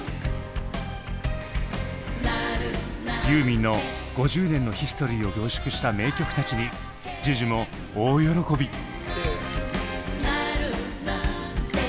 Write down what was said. ユーミンの５０年のヒストリーを凝縮した名曲たちにＪＵＪＵも大喜び！